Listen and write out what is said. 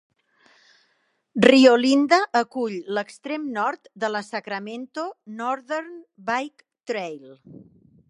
Rio Linda acull l"extrem nord de la Sacramento Northern Bike Trail.